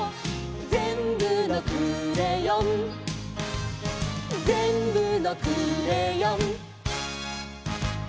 「ぜんぶのクレヨン」「ぜんぶのクレヨン」